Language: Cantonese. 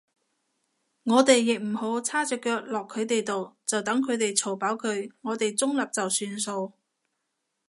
我哋亦唔好叉隻腳落佢哋度，就等佢哋嘈飽佢，我哋中立就算數